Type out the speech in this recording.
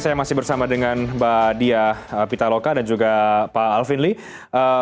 saya masih bersama dengan mbak diah pitaloka dan juga pak alvin lee